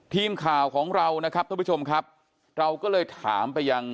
ทีมข่าวของเรานะครับท่านผู้ชมครับเราก็เลยถามไปยัง